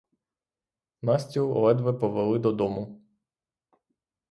Настю ледве повели додому.